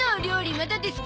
まだですか？